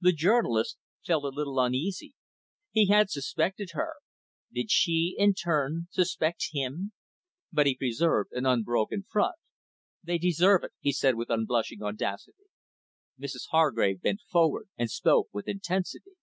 The journalist felt a little uneasy. He had suspected her. Did she, in turn, suspect him? But he preserved an unbroken front. "They deserve it," he said, with unblushing audacity. Mrs Hargrave bent forward, and spoke with intensity.